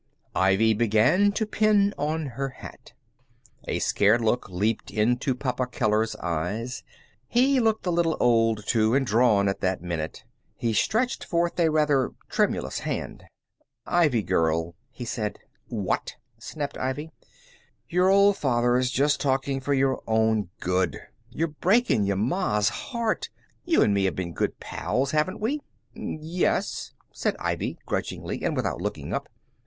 Ivy began to pin on her hat. A scared look leaped into Papa Keller's eyes. He looked a little old, too, and drawn, at that minute. He stretched forth a rather tremulous hand. "Ivy girl," he said. "What?" snapped Ivy. "Your old father's just talking for your own good. You're breaking your ma's heart. You and me have been good pals, haven't we?" "Yes," said Ivy, grudgingly, and without looking up.